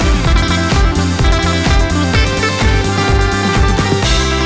ยังยังจะได้ใจกัน